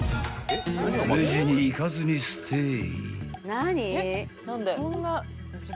［レジに行かずにステイ］